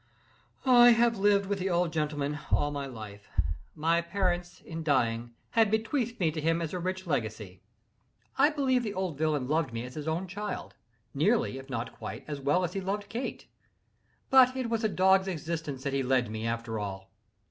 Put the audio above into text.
I had lived with the old gentleman all my life. My parents, in dying, had bequeathed me to him as a rich legacy. I believe the old villain loved me as his own child—nearly if not quite as well as he loved Kate—but it was a dog's existence that he led me, after all.